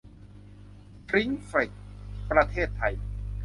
ชริ้งเฟล็กซ์ ประเทศไทย